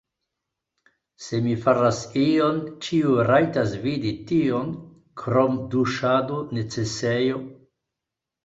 Se mi faras ion ĉiu rajtas vidi tion krom duŝado, necesejo